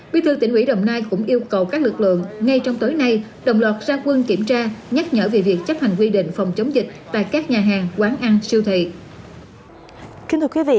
bí thư tỉnh ủy đồng nai cũng yêu cầu các lực lượng ngay trong tối nay đồng loạt ra quân kiểm tra nhắc nhở về việc chấp hành quy định phòng chống dịch tại các nhà hàng quán ăn siêu thị